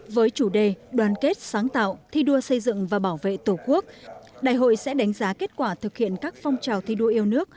với chủ đề đoàn kết sáng tạo thi đua xây dựng và bảo vệ tổ quốc đại hội sẽ đánh giá kết quả thực hiện các phong trào thi đua yêu nước